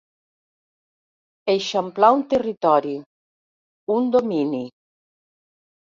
Eixamplar un territori, un domini.